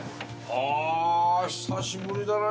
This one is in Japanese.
あ久しぶりだね。